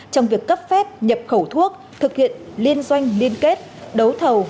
trong việc cấp phép nhập khẩu thuốc thực hiện liên doanh liên kết đấu thầu